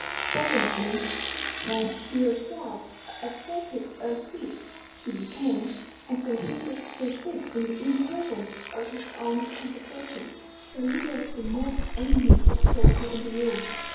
Presently, when she herself accepted a seat, she became, as Sir Wilfrid perceived in the intervals of his own conversation, the leader of the most animated circle in the room.